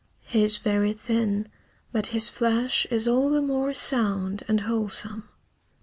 He is very thin, but his flesh is all the more sound and wholesome.